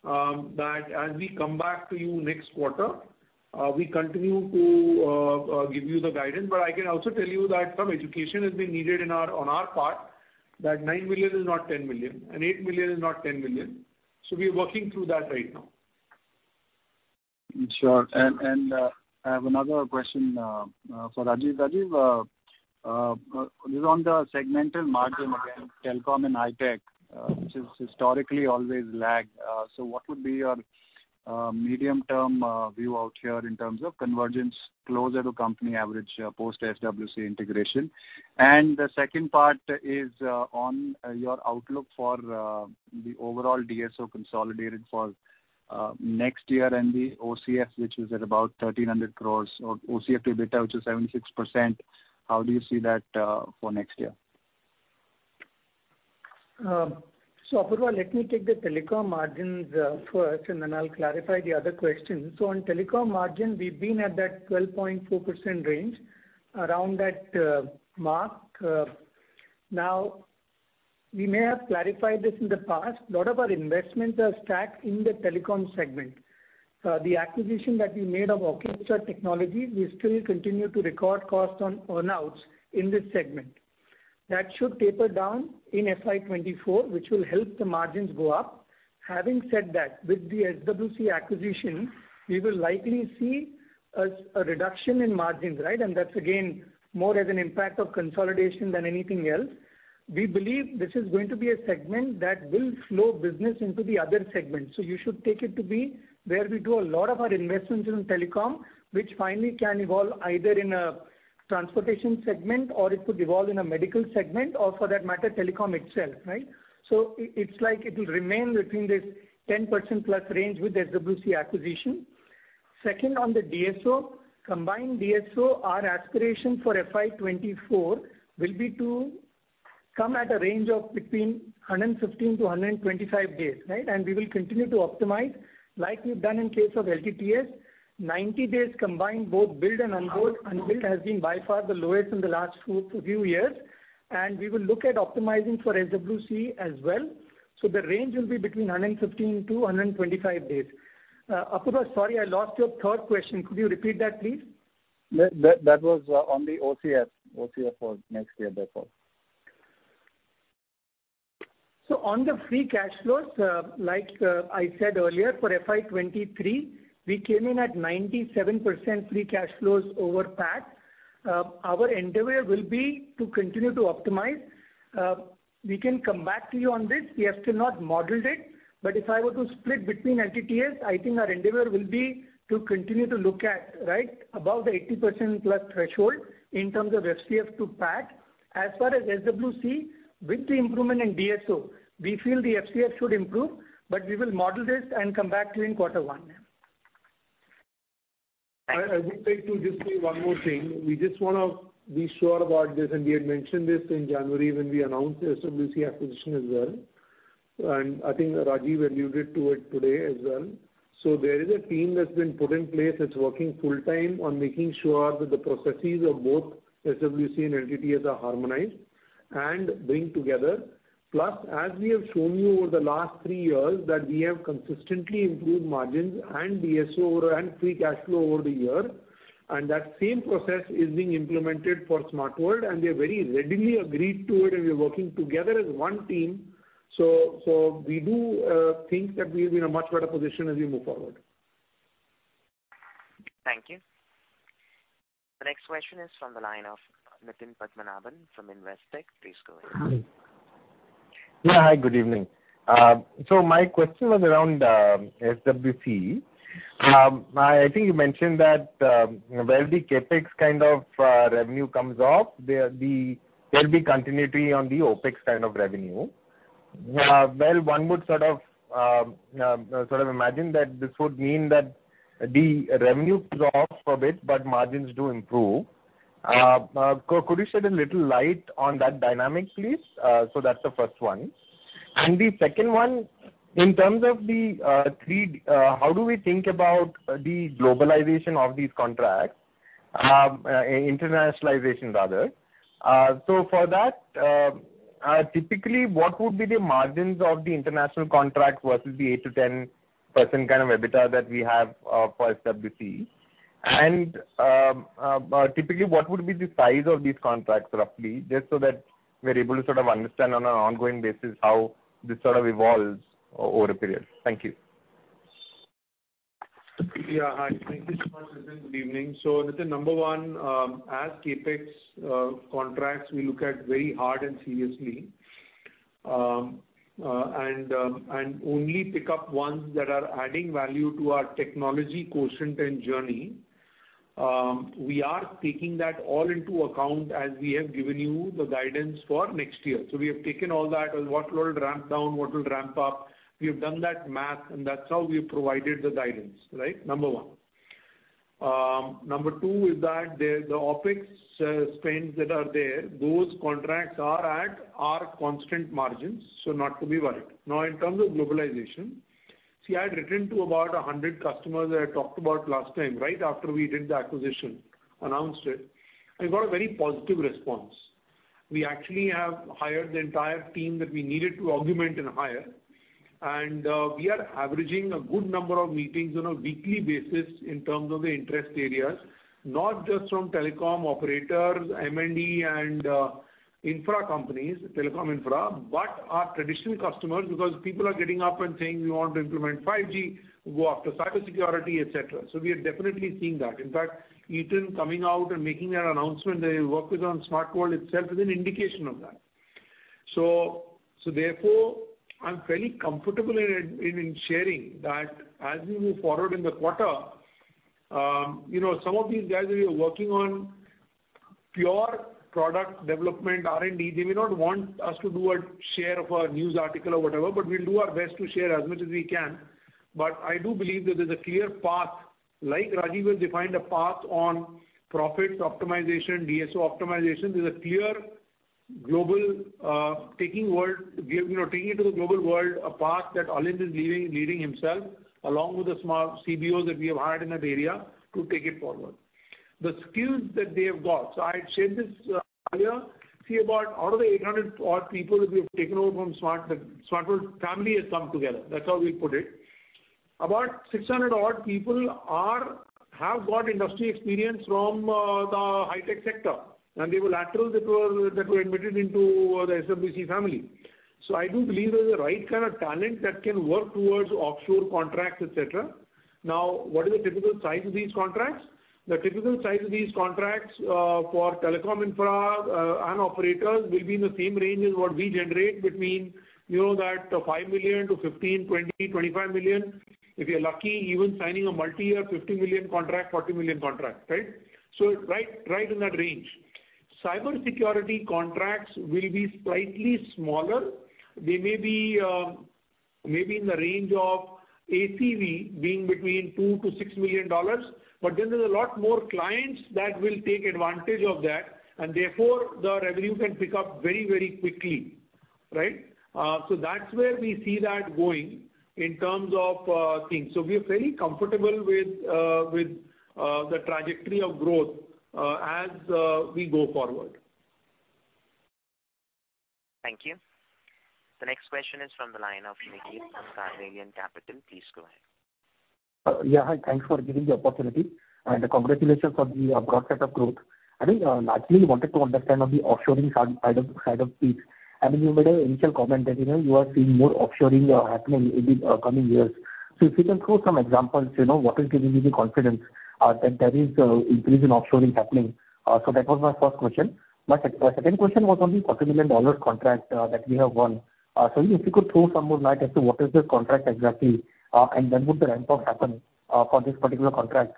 that as we come back to you next quarter, we continue to give you the guidance. I can also tell you that some education has been needed in our, on our part, that $9 million is not $10 million and $8 million is not $10 million. We're working through that right now. Sure. I have another question for Rajeev. This is on the segmental margin again, Telecom and Hi-Tech, which has historically always lagged. So, what would be your medium-term view out here in terms of convergence closer to company average post SWC integration? And the second part is on your outlook for the overall DSO consolidated for next year and the OCF, which is at about 1,300 crores, or OCF to EBITDA, which is 76%. How do you see that for next year? Let me take the telecom margins first, and then I'll clarify the other question. On telecom margin, we've been at that 12.2% range, around that mark. Now, we may have clarified this in the past. A lot of our investments are stacked in the telecom segment. The acquisition that we made of Orchestra Technologies, we still continue to record costs on earn outs in this segment. That should taper down in FY 2024, which will help the margins go up. Having said that, with the SWC acquisition, we will likely see a reduction in margins, right? That's again, more as an impact of consolidation than anything else. We believe this is going to be a segment that will flow business into the other segments. You should take it to be where we do a lot of our investments in telecom, which finally can evolve either in a transportation segment or it could evolve in a medical segment or for that matter, telecom itself, right? it's like it will remain between this 10% plus range with SWC acquisition. Second, on the DSO, combined DSO, our aspiration for FY 2024 will be to come at a range of between 115-125 days, right? We will continue to optimize like we've done in case of LTTS. 90 days combined, both build and unbuild. Unbuild has been by far the lowest in the last few years, and we will look at optimizing for SWC as well. The range will be between 115-125 days. Apurva, sorry, I lost your third question. Could you repeat that, please? That was on the OCF for next year, therefore. On the free cash flows, like I said earlier, for FY 2023, we came in at 97% free cash flows over PAT. Our endeavor will be to continue to optimize. We can come back to you on this. We have still not modeled it, if I were to split between LTTS, I think our endeavor will be to continue to look at, right, above the 80% plus threshold in terms of FCF to PAT. As far as SWC, with the improvement in DSO, we feel the FCF should improve, we will model this and come back to you in quarter one. I would like to just say one more thing. We just wanna be sure about this, and we had mentioned this in January when we announced the SWC acquisition as well, and I think Rajeev alluded to it today as well. There is a team that's been put in place that's working full time on making sure that the processes of both SWC and LTTS are harmonized and bring together. As we have shown you over the last three years that we have consistently improved margins and DSO and free cash flow over the year, and that same process is being implemented for Smart World, and they very readily agreed to it, and we are working together as one team. We do think that we'll be in a much better position as we move forward. Thank you. The next question is from the line of Nitin Padmanabhan from Investec. Please go ahead. Hi, good evening. My question was around SWC. I think you mentioned that where the CapEx kind of revenue comes off, there'll be continuity on the OpEx kind of revenue. One would sort of imagine that this would mean that the revenue drops a bit, but margins do improve. Could you shed a little light on that dynamic, please? That's the first one. The second one, in terms of the three, how do we think about the globalization of these contracts, internationalization rather? For that, typically, what would be the margins of the international contract versus the 8%-10% kind of EBITDA that we have for SWC? Typically, what would be the size of these contracts roughly, just so that we're able to sort of understand on an ongoing basis how this sort of evolves over a period. Thank you. Yeah. Hi. Thank you so much, Nitin. Good evening. Nitin, Number one, as CapEx contracts, we look at very hard and seriously. only pick up ones that are adding value to our technology quotient and journey. We are taking that all into account as we have given you the guidance for next year. We have taken all that on what will ramp down, what will ramp up. We have done that math, and that's how we provided the guidance, right? Number one. Number two is that the OpEx spends that are there, those contracts are at our constant margins, so not to be worried. Now, in terms of globalization, I had written to about 100 customers that I talked about last time, right after we did the acquisition, announced it. I got a very positive response. We actually have hired the entire team that we needed to augment and hire. We are averaging a good number of meetings on a weekly basis in terms of the interest areas, not just from telecom operators, M&D and infra companies, telecom infra, but our traditional customers because people are getting up and saying, "We want to implement 5G, go after cybersecurity," et cetera. We are definitely seeing that. In fact, Eaton coming out and making an announcement that it will work with on Smart World itself is an indication of that. Therefore, I'm fairly comfortable in sharing that as we move forward in the quarter, you know, some of these guys we are working on pure product development R&D. They may not want us to do a share of a news article or whatever. We'll do our best to share as much as we can. I do believe that there's a clear path, like Rajeev has defined a path on profits optimization, DSO optimization. There's a clear global, taking world, you know, taking it to the global world a path that Alind is leading himself, along with the Smart CBOs that we have hired in that area to take it forward. The skills that they have got. I had shared this earlier. See, about out of the 800 odd people that we have taken over from Smart, the Smart World family has come together. That's how we put it. About 600 odd people have got industry experience from the high-tech sector, and they were laterals that were admitted into the SWC family. I do believe there's a right kind of talent that can work towards offshore contracts, et cetera. What is the typical size of these contracts? The typical size of these contracts for telecom infra and operators will be in the same range as what we generate between, you know, that $5 million to $15 million, $20 million, $25 million. If you're lucky, even signing a multiyear $50 million contract, $40 million contract, right? So right in that range. Cybersecurity contracts will be slightly smaller. They may be in the range of ACV being between $2 million-$6 million. There's a lot more clients that will take advantage of that, and therefore, the revenue can pick up very, very quickly, right? So that's where we see that going in terms of things. So we are very comfortable with the trajectory of growth, as we go forward. Thank you. The next question is from the line of Nikit of Scandinavian Capital. Please go ahead. Yeah, hi. Thanks for giving the opportunity. And congratulations on the broad set of growth. I think, largely wanted to understand on the offshoring side of things. I mean, you made an initial comment that, you know, you are seeing more offshoring happening in the coming years. So, if you can throw some examples, you know, what is giving you the confidence that there is increase in offshoring happening? So that was my first question. My second question was on the $40 million contract that we have won. So, if you could throw some more light as to what is this contract exactly, and when would the ramp-up happen for this particular contract?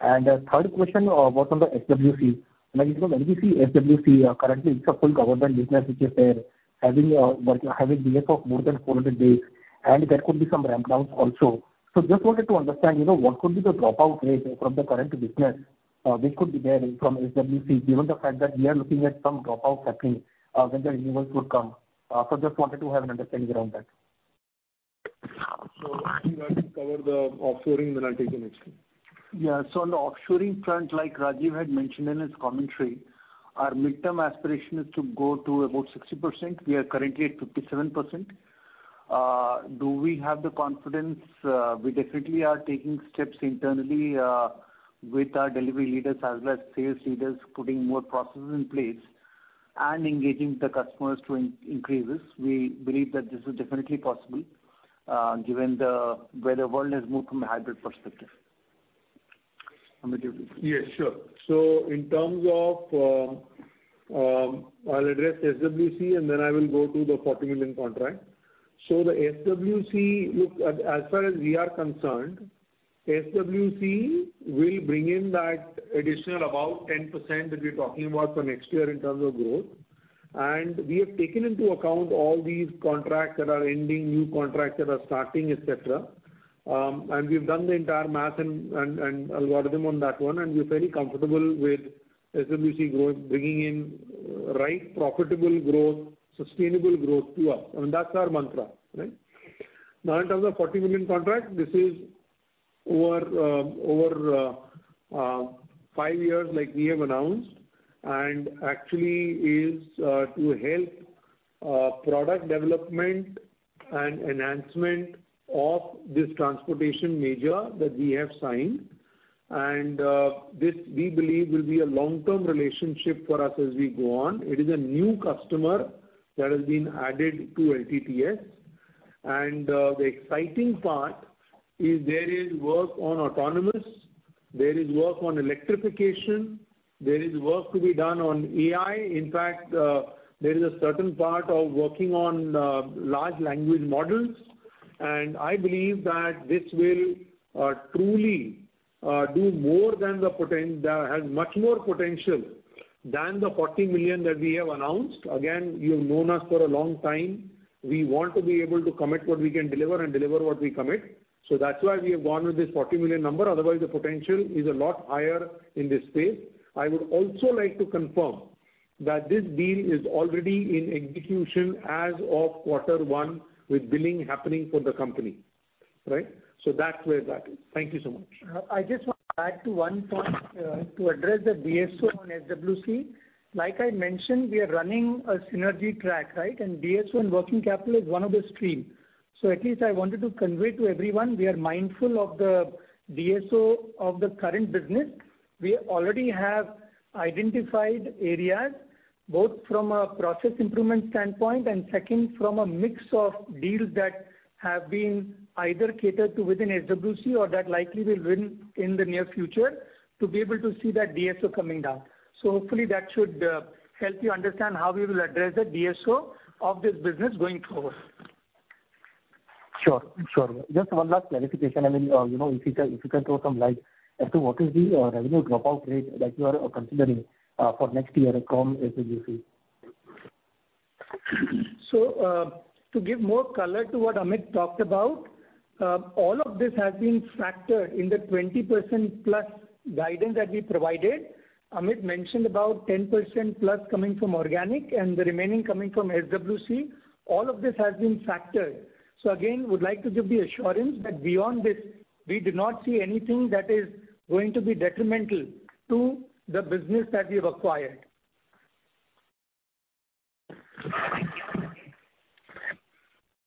And third question was on the SWC. Like, you know, when we see SWC, currently it's a full government business, which is there, having a, what you're having DSO of more than 400 days, and there could be some ramp-downs also. Just wanted to understand, you know, what could be the dropout rate from the current business, which could be there from SWC, given the fact that we are looking at some dropout happening, when the renewals would come. Just wanted to have an understanding around that. Nikit, Rajeev will cover the offshoring, then I'll take the next one. On the offshoring front, like Rajiv had mentioned in his commentary, our midterm aspiration is to go to about 60%. We are currently at 57%. Do we have the confidence? We definitely are taking steps internally, with our delivery leaders as well as sales leaders, putting more processes in place and engaging the customers to increase this. We believe that this is definitely possible, given the way the world has moved from a hybrid perspective. Amit, you take it. Yes, sure. In terms of, I'll address SWC and then I will go to the $40 million contract. The SWC, look, as far as we are concerned, SWC will bring in that additional about 10% that we're talking about for next year in terms of growth. We have taken into account all these contracts that are ending, new contracts that are starting, et cetera. We've done the entire math and algorithm on that one, and we're very comfortable with SWC growth bringing in right profitable growth, sustainable growth to us. I mean, that's our mantra, right? Now in terms of $40 million contract, this is over over five years like we have announced, and actually is to help product development and enhancement of this transportation major that we have signed. This we believe will be a long-term relationship for us as we go on. It is a new customer that has been added to LTTS. The exciting part is there is work on autonomous, there is work on electrification, there is work to be done on AI. In fact, there is a certain part of working on large language models, and I believe that this will truly has much more potential than the $40 million that we have announced. Again, you've known us for a long time. We want to be able to commit what we can deliver and deliver what we commit. That's why we have gone with this $40 million number, otherwise the potential is a lot higher in this space. I would also like to confirm that this deal is already in execution as of quarter one with billing happening for the company, right? That's where that is. Thank you so much. I just want to add to one point, to address the DSO on SWC. Like I mentioned, we are running a synergy track, right? DSO and working capital is one of the stream. At least I wanted to convey to everyone, we are mindful of the DSO of the current business. We already have identified areas both from a process improvement standpoint, and second, from a mix of deals that have been either catered to within SWC or that likely will win in the near future to be able to see that DSO coming down. Hopefully that should help you understand how we will address the DSO of this business going forward. Sure, sure. Just one last clarification. I mean, you know, if you can throw some light as to what is the revenue dropout rate that you are considering for next year from SWC? To give more color to what Amit talked about, all of this has been factored in the 20%+ guidance that we provided. Amit mentioned about 10%+ coming from organic and the remaining coming from SWC. All of this has been factored. Again, would like to give the assurance that beyond this, we do not see anything that is going to be detrimental to the business that we've acquired. Thank you.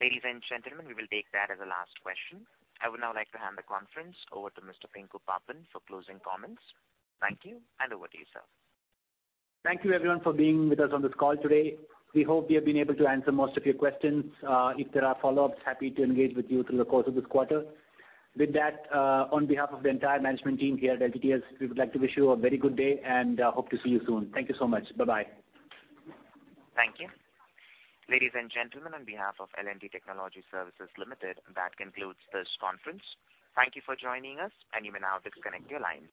Ladies and gentlemen, we will take that as the last question. I would now like to hand the conference over to Mr. Pinku Pappan for closing comments. Thank you, and over to you, sir. Thank you everyone for being with us on this call today. We hope we have been able to answer most of your questions. If there are follow-ups, happy to engage with you through the course of this quarter. On behalf of the entire management team here at LTTS, we would like to wish you a very good day and hope to see you soon. Thank you so much. Bye-bye. Thank you. Ladies and gentlemen, on behalf of L&T Technology Services Limited, that concludes this conference. Thank you for joining us, and you may now disconnect your lines.